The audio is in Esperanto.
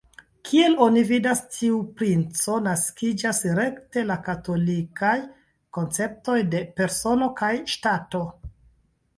Kiel oni vidas tiu principo naskiĝas rekte la katolikaj konceptoj de "persono" kaj "ŝtato".